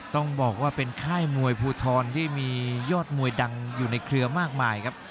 ต้องบอกว่าเป็นค่ายมวยภูทรที่มียอดมวยดังอยู่ในเครือมากมายครับ